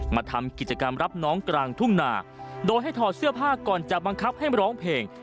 มาทำกิจกรรมรับน้องกลางทุ่งนาโดยให้ถอดเสื้อผ้าก่อนจะบังคับให้ร้องเพลง